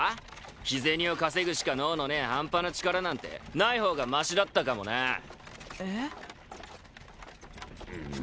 日銭を稼ぐしか能のねえハンパな力なんてない方がマシだったかもなえっ？